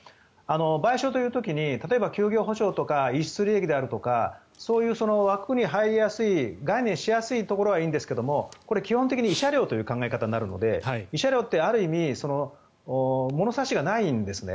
賠償という時に、例えば休業補償とか逸失利益であるとかそういう枠に入りやすい概念しやすいところはいいんですがこれ、基本的に慰謝料という考え方になるので慰謝料ってある意味物差しがないんですね。